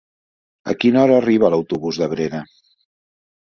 A quina hora arriba l'autobús d'Abrera?